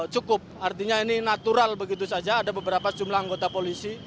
cukup artinya ini natural begitu saja ada beberapa jumlah anggota polisi